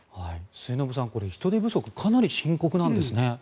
末延さん、人手不足かなり深刻なんですね。